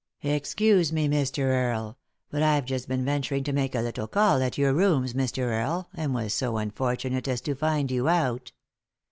" Excuse me, Mr. Earle, but I've just been venturing to make a little call at your rooms, Mr. Earle, and was so unfortunate as to find you out."